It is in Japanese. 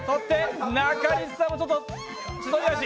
中西さんも、ちょっと千鳥足。